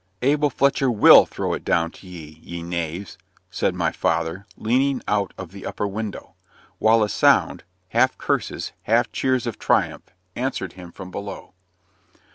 "Abel Fletcher WILL throw it down to ye, ye knaves," said my father, leaning out of the upper window; while a sound, half curses, half cheers of triumph, answered him from below.